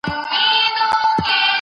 کله یو ډیپلوماټ ناخوښه شخص اعلانیږي؟